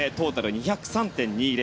２０３．２０。